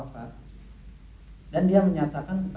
gak ada yang bisa memisahkan kita